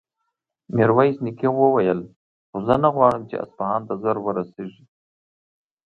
ميرويس نيکه وويل: خو زه نه غواړم چې اصفهان ته ژر ورسېږي.